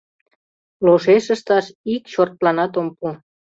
— Лошеш ышташ ик чортланат ом пу.